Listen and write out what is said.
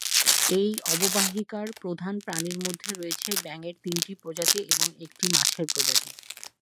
এই অববাহিকার প্রধান প্রাণীর মধ্যে রয়েছে ব্যাঙের তিনটি প্রজাতি এবং একটি মাছের প্রজাতি।